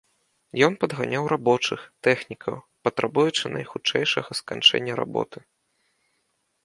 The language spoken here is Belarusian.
Ён падганяў рабочых, тэхнікаў, патрабуючы найхутчэйшага сканчэння работы.